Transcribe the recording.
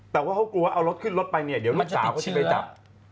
แต่เขากลัวเอารถขึ้นรถไปเนี่ยเจ้าคนนี้จะไปจับ